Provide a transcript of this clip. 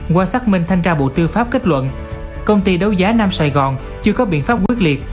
qua xác minh thanh tra bộ tư pháp kết luận công ty đấu giá nam sài gòn chưa có biện pháp quyết liệt